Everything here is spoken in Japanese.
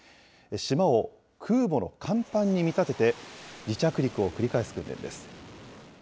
島を空母の甲板に見立てて、離着陸を繰り返す訓練です。